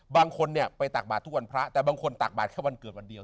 บางคนเนี่ยไปตักบาททุกวันพระแต่บางคนตักบาทแค่วันเกิดวันเดียว